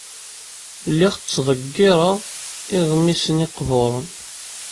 Lliɣ ttḍeggireɣ iɣmisen iqburen.